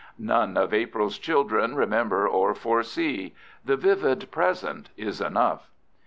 None of April's children remember or foresee. The vivid present is enough.